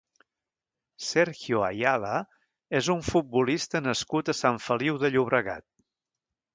Sergio Ayala és un futbolista nascut a Sant Feliu de Llobregat.